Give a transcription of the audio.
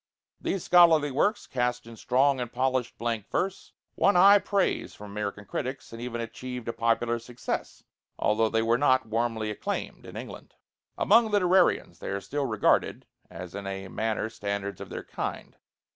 These scholarly works, cast in strong and polished blank verse, won high praise from American critics, and even achieved a popular success, although they were not warmly acclaimed, in England. Among literarians they are still regarded as in a manner standards of their kind.